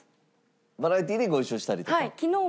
バラエティーでご一緒したりとか？